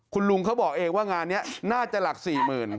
คุณลุงเขาบอกเองว่างานนี้น่าจะหลัก๔๐๐๐